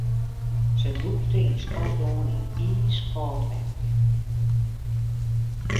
Se dûkte yn Skotlân yn iiskâld wetter.